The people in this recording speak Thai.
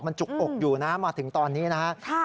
มันจุกอกอยู่นะมาถึงตอนนี้นะครับ